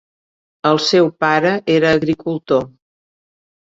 El seu pare era agricultor.